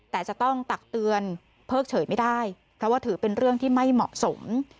แต่จะต้องตักเตือนเพิกเฉยไม่ได้เพราะว่าถือเป็นเรื่องที่ไม่เหมาะสม